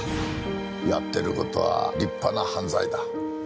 やってる事は立派な犯罪だ。